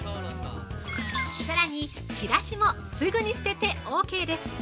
◆さらにチラシもすぐに捨ててオーケーです。